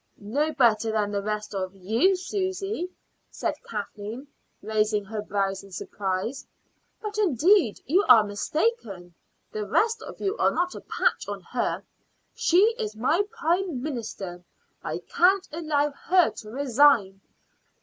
"No better than the rest of you, Susy?" said Kathleen, raising her brows in surprise. "But indeed you are mistaken. The rest of you are not a patch on her. She is my Prime Minister. I can't allow her to resign."